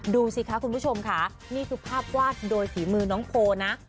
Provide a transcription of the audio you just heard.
ดูสิคะคุณผู้ชมค่ะนี่คือภาพวาดโดยฝีมือน้องโพลนะ